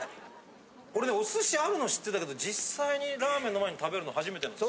これおすし合うの知ってたけど実際にラーメンの前に食べるの初めてなんです。